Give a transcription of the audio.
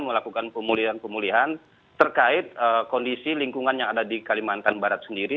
melakukan pemulihan pemulihan terkait kondisi lingkungan yang ada di kalimantan barat sendiri